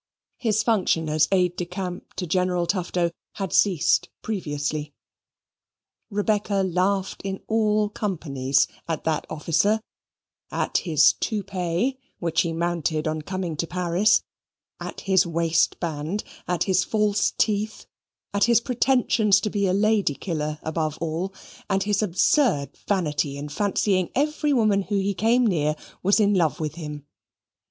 His function as aide de camp to General Tufto had ceased previously. Rebecca laughed in all companies at that officer, at his toupee (which he mounted on coming to Paris), at his waistband, at his false teeth, at his pretensions to be a lady killer above all, and his absurd vanity in fancying every woman whom he came near was in love with him.